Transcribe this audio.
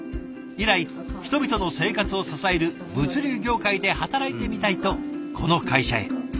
以来人々の生活を支える物流業界で働いてみたいとこの会社へ。